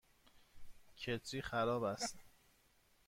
کتری خراب است.